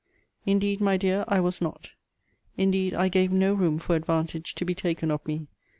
Indeed, my dear, I was not. Indeed I gave no room for advantage to be taken of me.